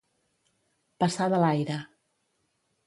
Passar de l'aire.